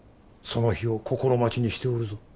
その日を心待ちにしておるぞ。